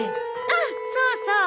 あっそうそう。